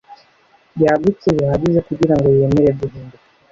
yagutse bihagije kugirango yemere guhinduka